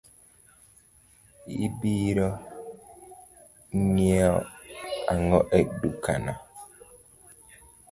Ibiro ngiew ang'o e dukana?